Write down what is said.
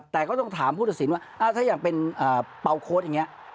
แต่ก็ต้องถามผู้ตัดสินว่าถ้าอย่างเป็นเป่าโค้ดอย่างนี้